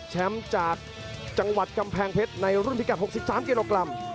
จากจังหวัดกำแพงเพชรในรุ่นพิกัด๖๓กิโลกรัม